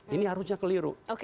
ini harusnya keliru